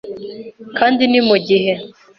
kandi ni mu gihe